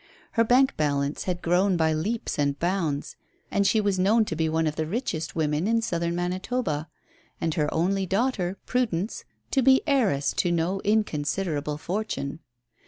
Her bank balance had grown by leaps and bounds, and she was known to be one of the richest women in Southern Manitoba, and her only daughter, Prudence, to be heiress to no inconsiderable fortune.